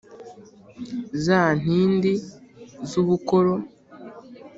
Za ntindi z'ubukoro,